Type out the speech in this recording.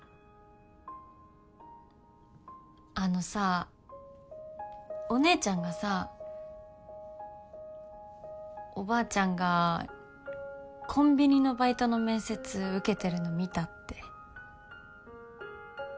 あのさお姉ちゃんがさおばあちゃんがコンビニのバイトの面接受けてるの見たって。